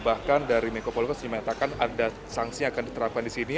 bahkan dari menko poluka menyatakan ada sanksi yang akan diterapkan di sini